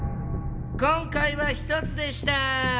今回は１つでした！